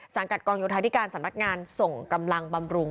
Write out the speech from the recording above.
สังกัดกองโยธาธิการสำนักงานส่งกำลังบำรุง